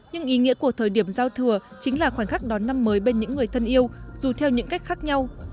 nhưng ý nghĩa của thời điểm giao thừa chính là khoảnh khắc đón năm mới bên những người thân yêu dù theo những cách khác nhau